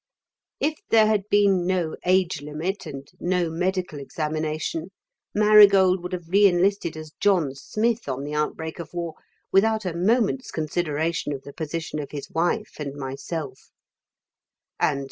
If there had been no age limit and no medical examination Marigold would have re enlisted as John Smith, on the outbreak of war, without a moment's consideration of the position of his wife and myself.